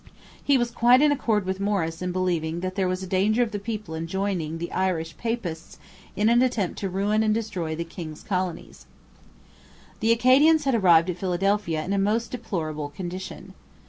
He was quite in accord with Morris in believing there was a danger of the people joining the Irish Papists in an attempt to ruin and destroy the king's colonies. The Acadians had arrived at Philadelphia in a most deplorable condition.